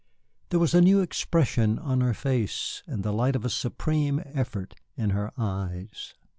There was a new expression on her face, and the light of a supreme effort in her eyes.